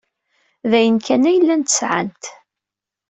D ayen kan ay llant sɛant.